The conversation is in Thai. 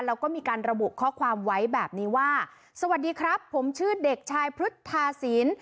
แล้วก็มีการระบุข้อความไว้แบบนี้ว่าสวัสดีครับผมชื่อเด็กชายพฤทธาศีล